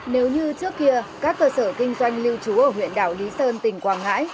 nếu như trước kia các cơ sở kinh doanh lưu trú ở huyện đảo lý sơn tỉnh quảng ngãi